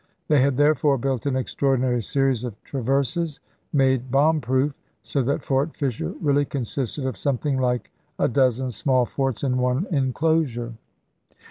They had therefore built an extraordinary series of traverses, made bomb proof ; so that Fort Fisher really consisted of something like a dozen small cSSttee forts in one inclosure.